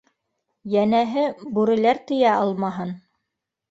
Йәнәһе, бүреләр тейә алмаһын!